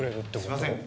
すいません。